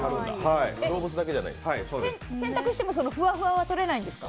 洗濯しても、そのふわふわはとれないんですか？